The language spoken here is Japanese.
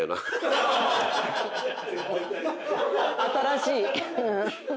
新しい。